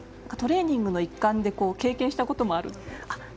トレーニングの一環で経験したこともあると？